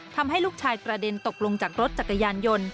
ทำให้ลูกชายกระเด็นตกลงจากรถจักรยานยนต์